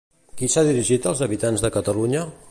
Qui s'ha dirigit als habitants de Catalunya?